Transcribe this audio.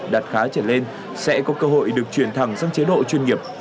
đạt khá trở lên sẽ có cơ hội được chuyển thẳng sang chế độ chuyên nghiệp